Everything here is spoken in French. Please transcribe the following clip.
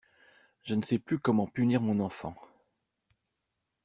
Je ne sais plus comment punir mon enfant.